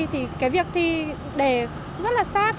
thì cái việc thi đề rất là sát